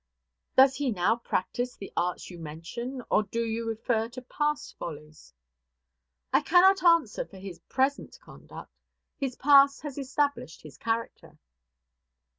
"Does he now practise the arts you mention? or do you refer to past follies?" "I cannot answer for his present conduct; his past has established his character."